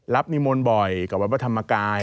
นิมนต์บ่อยกับวัดพระธรรมกาย